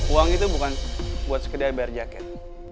uang itu bukan buat sekedar bayar jaket